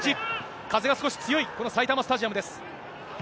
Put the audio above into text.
風が少し強いこの埼玉スタジアムです。